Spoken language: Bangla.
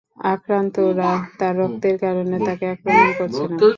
আক্রান্তরা তার রক্তের কারণে তাকে আক্রমণ করছে না।